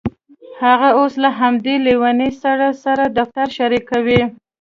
هغه اوس له همدې لیونۍ سړي سره دفتر شریکوي